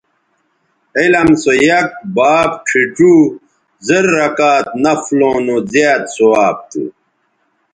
علم سویک باب ڇھیڇوزررکعت نفلوں نو زیات ثواب تھو